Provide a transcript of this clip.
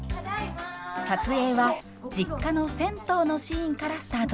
撮影は実家の銭湯のシーンからスタートしました。